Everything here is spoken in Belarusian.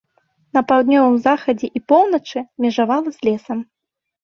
На паўднёвым захадзе і поўначы межавала з лесам.